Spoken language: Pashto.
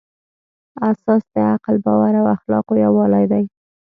اساس د عقل، باور او اخلاقو یووالی دی.